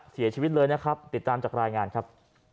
เสียชีวิตเลยนะครับติดตามจากรายงานครับ